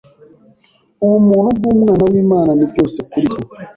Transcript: Ubumuntu bw’Umwana w’Imana ni byose kuri twe.